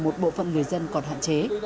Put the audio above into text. một bộ phận người dân còn hạn chế